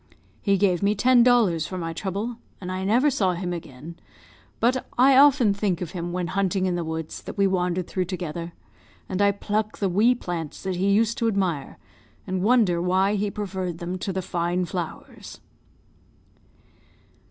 He gave me ten dollars for my trouble, and I never saw him again; but I often think of him, when hunting in the woods that we wandered through together, and I pluck the wee plants that he used to admire, and wonder why he preferred them to the fine flowers."